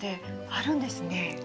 あるんです。